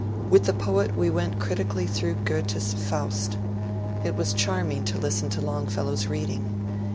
With the poet we went critically through Goethe's " Faust." It was charming to listen to Longfellow's reading.